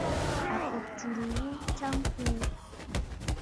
À kɨ tsurə ghu ntsya ŋkuu.